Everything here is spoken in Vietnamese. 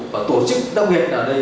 và tổ chức đồng hiện ở đây